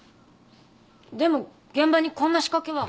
でも現場にこんな仕掛けは。